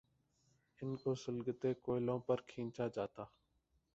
ان کو سلگتے کوئلوں پہ کھینچا جاتا۔